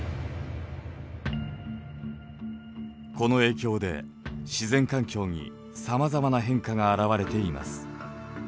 この影響で自然環境にさまざまな変化が表れています。